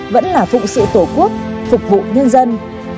vẫn là phụng sự tổ quốc phục vụ nhân dân